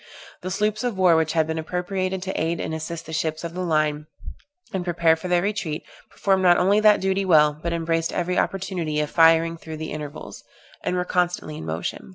The sloops of war which had been appropriated to aid and assist the ships of the line, and prepare for their retreat, performed not only that duty well, but embraced every opportunity of firing through the intervals, and were constantly in motion.